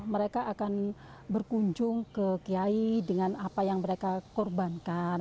mereka akan berkunjung ke kiai dengan apa yang mereka korbankan